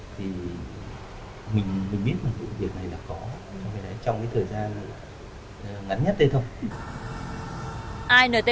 thì mình biết là vụ việc này là có trong cái thời gian ngắn nhất đây thôi